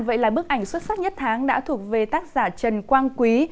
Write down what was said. vậy là bức ảnh xuất sắc nhất tháng đã thuộc về tác giả trần quang quý